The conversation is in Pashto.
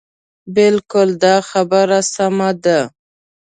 بلکل دا خبره سمه ده.